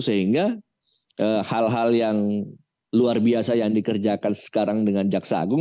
sehingga hal hal yang luar biasa yang dikerjakan sekarang dengan jaksa agung